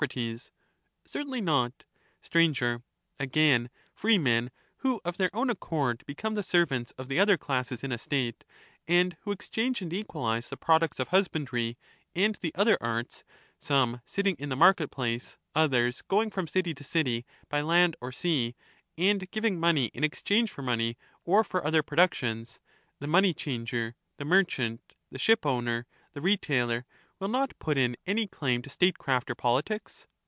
Certainly not. Sir, Again, freemen who of their own accord become the nor servants of the other classes in a State, and who exchange ^^' and equalise the products of husbandry and the other arts, some sitting in the market place, others going from city to city by land or sea, and giving money in exchange for money 290 or for other productions — the money changer, the merchant, the ship owner, the retailer, will not put in any claim to statecraft or politics